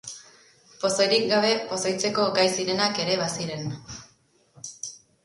Pozoirik gabe pozoitzeko gai zirenak ere baziren.